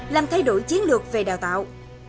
làm thay đổi chiến lược về đào tạo